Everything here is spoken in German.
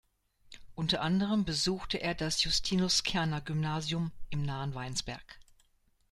Unter anderem besuchte er das Justinus-Kerner-Gymnasium im nahen Weinsberg.